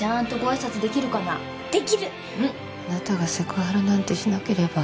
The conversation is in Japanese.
あなたがセクハラなんてしなければ。